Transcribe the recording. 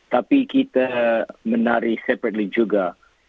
tapi kita menari separately juga